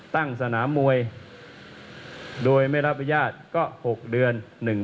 ตั้งสนามวยโดยไม่รับญาติก็๖เดือน๑๐๐๐๐